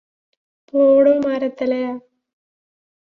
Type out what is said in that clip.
പോടോ മരത്തലയ?